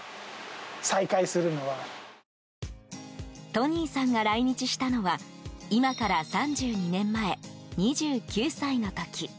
トニーさんが来日したのは今から３２年前、２９歳の時。